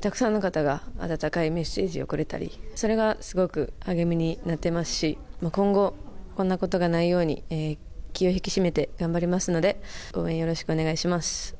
たくさんの方が温かいメッセージをくれたり、それがすごく励みになっていますし、今後、こんなことがないように、気を引き締めて頑張りますので、応援よろしくお願いします。